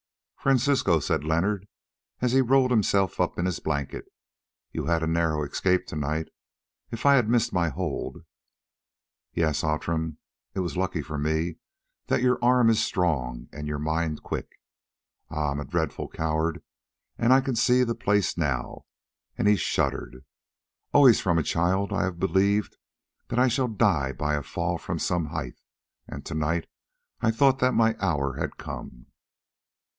"Francisco," said Leonard, as he rolled himself up in his blanket, "you had a narrow escape to night. If I had missed my hold!" "Yes, Outram, it was lucky for me that your arm is strong and your mind quick. Ah, I am a dreadful coward, and I can see the place now;" and he shuddered. "Always from a child I have believed that I shall die by a fall from some height, and to night I thought that my hour had come.